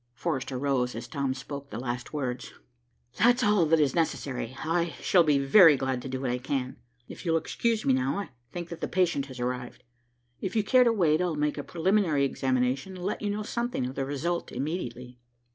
Forrester rose as Tom spoke the last words. "That's all that is necessary. I shall be very glad to do what I can. If you'll excuse me now, I think that the patient has arrived. If you care to wait, I'll make a preliminary examination and let you know something of the result immediately."